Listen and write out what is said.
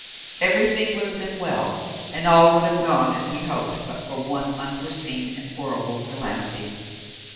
Everything would have been well, and all would have gone as we hoped, but for the one unforeseen and horrible calamity.